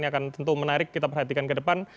ini akan tentu menarik kita perhatikan ke depan